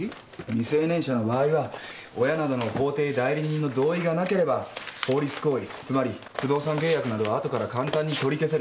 未成年者の場合は親などの法定代理人の同意がなければ法律行為つまり不動産契約などはあとから簡単に取り消せる。